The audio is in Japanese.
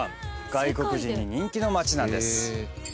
外国人に人気の街なんです。